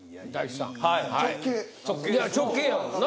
いや直系やもんな。